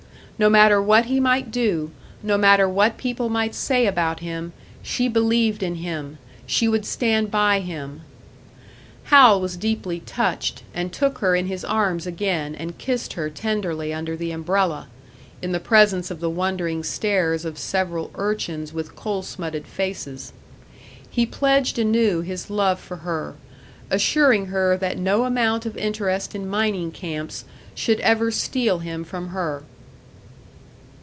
No matter what he might do, no matter what people might say about him, she believed in him, she would stand by him. Hal was deeply touched, and took her in his arms again and kissed her tenderly under the umbrella, in the presence of the wondering stares of several urchins with coal smutted faces. He pledged anew his love for her, assuring her that no amount of interest in mining camps should ever steal him from her.